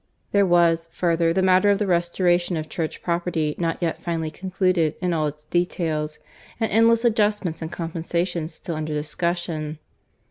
There was, further, the matter of the restoration of Church property not yet finally concluded in all its details, with endless adjustments and compensations still under discussion.